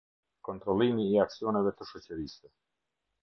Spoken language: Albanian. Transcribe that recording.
Kontrollimi i Aksioneve të Shoqërisë.